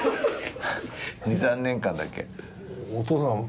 ２３年間だけ。